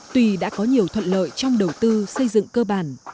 tuy đã có nhiều thuận lợi trong đầu tư xây dựng cơ bản